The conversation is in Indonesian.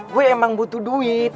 gue emang butuh duit